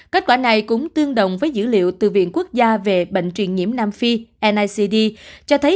kết quả này cũng tương đồng với dữ liệu từ viện quốc gia về bệnh truyền nhiễm nam phi necd cho thấy